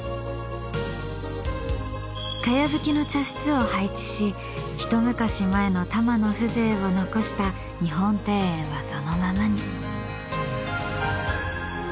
茅葺の茶室を配置し一昔前の多磨の風情を残した日本庭園はそのままに。